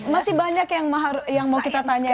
masih banyak yang mau kita tanya